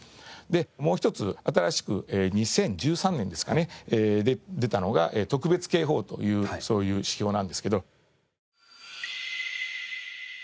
でもう一つ新しく２０１３年ですかね出たのが特別警報というそういう仕様なんですけど。